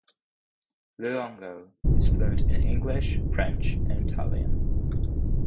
Luongo is fluent in English, French and Italian.